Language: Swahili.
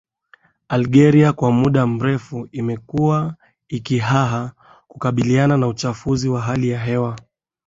Algeria kwa muda mrefu imekuwa ikihaha kukabiliana na uchafuzi wa hali ya hewa